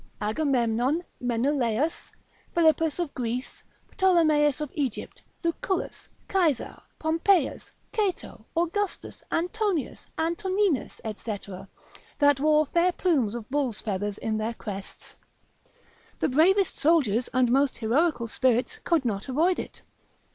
Agamemnon, Menelaus, Philippus of Greece, Ptolomeus of Egypt, Lucullus, Caesar, Pompeius, Cato, Augustus, Antonius, Antoninus, &c., that wore fair plumes of bull's feathers in their crests. The bravest soldiers and most heroical spirits could not avoid it.